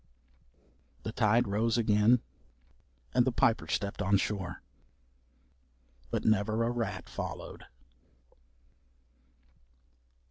The tide rose again, and the Piper stepped on shore, but never a rat followed.